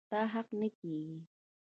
ستا حق نه کيږي.